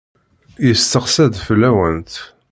Yesteqsa-d fell-awent.